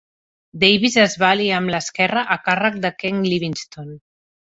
Davies es va aliar amb l'esquerra a càrrec de Ken Livingstone.